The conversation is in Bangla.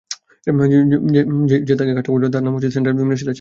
যে তাকে কাজটা করতে বলেছে, তার নাম প্রেম, সেন্ট্রাল মিনিস্টারের ছেলে।